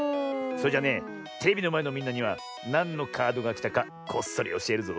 それじゃねテレビのまえのみんなにはなんのカードがきたかこっそりおしえるぞ。